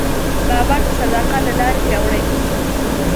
باور د صداقت له لارې پیاوړی کېږي.